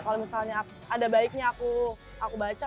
kalau misalnya ada baiknya aku baca